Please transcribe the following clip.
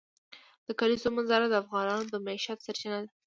د کلیزو منظره د افغانانو د معیشت سرچینه ده.